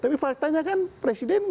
tapi faktanya kan presiden